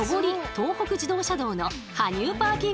東北自動車道の羽生パーキングエリア。